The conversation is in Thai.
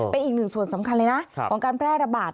เป็นอีกหนึ่งส่วนสำคัญเลยนะของการแพร่ระบาด